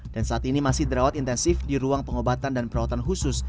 dan saat ini masih dirawat intensif di ruang pengobatan dan perawatan khusus